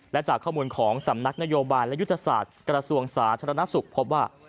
และจากข้อมูลของสำนักนโยบายและยุทธศาสตร์กระทรวงสาธารณสุขพบว่า